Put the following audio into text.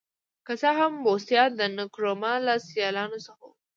که څه هم بوسیا د نکرومه له سیالانو څخه و.